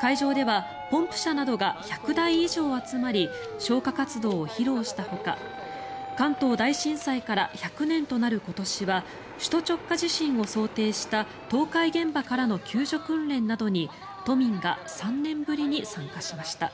会場ではポンプ車などが１００台以上集まり消火活動を披露したほか関東大震災から１００年となる今年は首都直下地震を想定した倒壊現場からの救助訓練などに都民が３年ぶりに参加しました。